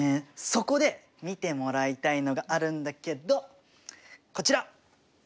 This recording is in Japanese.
そこで見てもらいたいのがあるんだけどこちら！